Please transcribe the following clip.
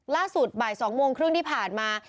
ล่าสุดบ่าย๒โมงครึ่งที่ผ่านมา